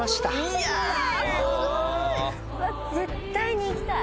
いやすごい！絶対に行きたい。